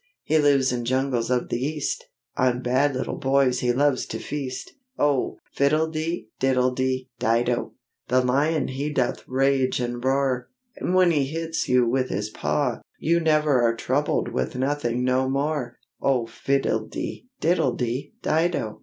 He lives in jungles of the East, On bad little boys he loves to feast: Oh! fiddledy, diddledy, dido! The Lion he doth rage and roar; And when he hits you with his paw, You never are troubled with nothing no more, Oh! fiddledy, diddledy, dido!